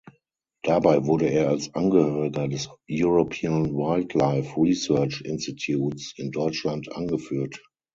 Dabei wurde er als Angehöriger des "European Wildlife Research Institutes" in Deutschland angeführt.